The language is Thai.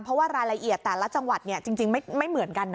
เพราะว่ารายละเอียดแต่ละจังหวัดจริงไม่เหมือนกันนะ